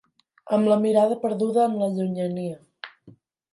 Amb la mirada perduda en la llunyania.